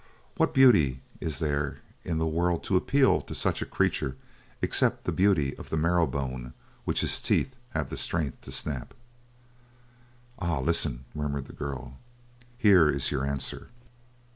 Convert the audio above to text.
What beauty is there in the world to appeal to such a creature except the beauty of the marrow bone which his teeth have the strength to snap?" "Ah, listen!" murmured the girl. "Here is your answer!"